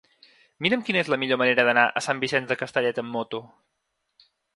Mira'm quina és la millor manera d'anar a Sant Vicenç de Castellet amb moto.